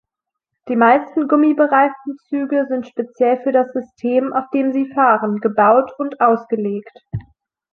Die meisten gummibereiften Züge sind speziell für das System, auf dem sie fahren, gebaut und ausgelegt.